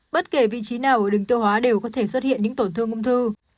bất kể vị trí nào ở đường tiêu hóa đều có thể xuất hiện những tổn thương ung thư